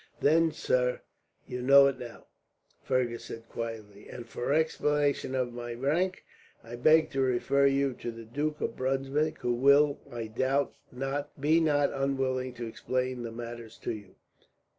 "Then, sir, you know it now," Fergus said quietly; "and for an explanation of my rank, I beg to refer you to the Duke of Brunswick; who will, I doubt not, be not unwilling to explain the matter to you."